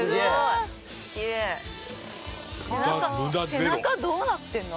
背中どうなってるの？